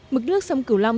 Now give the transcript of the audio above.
mực nước sông cửu long